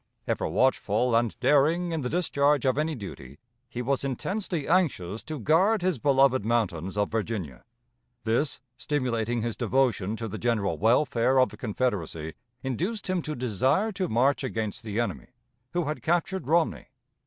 Ever watchful and daring in the discharge of any duty, he was intensely anxious to guard his beloved mountains of Virginia. This, stimulating his devotion to the general welfare of the Confederacy, induced him to desire to march against the enemy, who had captured Romney.